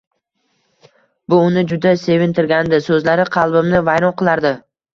Bu uni juda sevintirgandi, so‘zlari qalbimni vayron qilardi